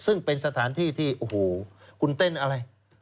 ซึ่งเป็นสถานที่ที่โอ้โหคุณเต้นอะไร